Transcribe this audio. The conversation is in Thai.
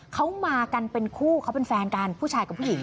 เขามากันเป็นคู่เขาเป็นแฟนกันผู้ชายกับผู้หญิง